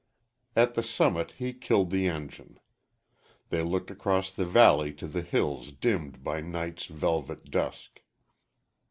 At the summit he killed the engine. They looked across the valley to the hills dimmed by night's velvet dusk.